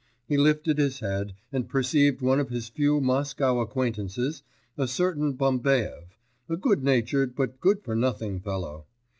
He lifted his head, and perceived one of his few Moscow acquaintances, a certain Bambaev, a good natured but good for nothing fellow.